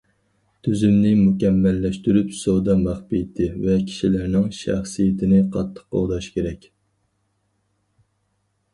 تۈزۈمنى مۇكەممەللەشتۈرۈپ، سودا مەخپىيىتى ۋە كىشىلەرنىڭ شەخسىيىتىنى قاتتىق قوغداش كېرەك.